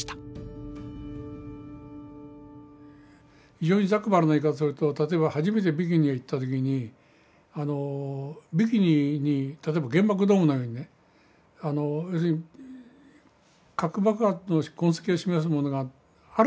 非常にざっくばらんな言い方すると例えば初めてビキニへ行った時にビキニに例えば原爆ドームのようにね要するに核爆発の痕跡を示すものがあると思ったわけですよ。